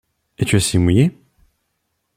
Es-tu assez mouillé!